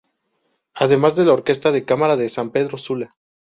Además de la Orquesta de Cámara de San Pedro Sula.